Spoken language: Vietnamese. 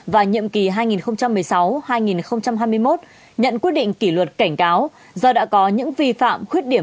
và nhiệm kỳ hai nghìn một mươi sáu hai nghìn hai mươi một nhận quyết định kỷ luật cảnh cáo do đã có những vi phạm khuyết điểm